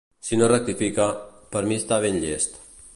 Si no rectifica, per mi està ben llest.